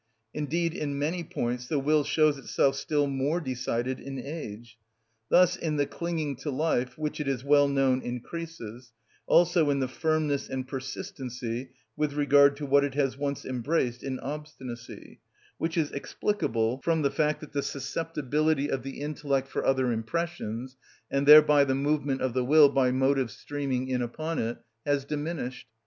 Indeed in many points the will shows itself still more decided in age: thus, in the clinging to life, which, it is well known, increases; also in the firmness and persistency with regard to what it has once embraced, in obstinacy; which is explicable from the fact that the susceptibility of the intellect for other impressions, and thereby the movement of the will by motives streaming in upon it, has diminished.